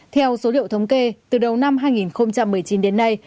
theo số liệu thống kê từ đầu năm hai nghìn một mươi chín đến nay